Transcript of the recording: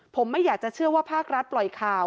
ผมไม่อยากจะเชื่อว่าภาครัฐปล่อยข่าว